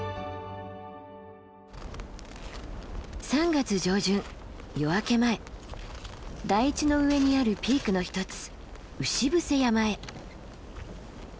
３月上旬夜明け前台地の上にあるピークの一つ牛伏山へ。